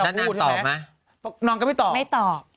พี่มดำพูดใช่ไหมนางตอบไหมนางก็ไม่ตอบไม่ตอบ